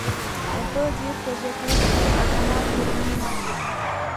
on peut dire que j'ai construit un canal pour m'y noyer !